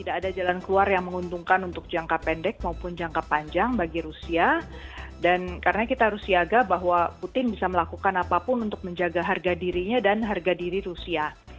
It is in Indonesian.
dan karena kita harus siaga bahwa putin bisa melakukan apapun untuk menjaga harga dirinya dan harga diri rusia